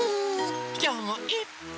きょうもいっぱい。